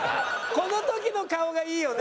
この時の顔がいいよね！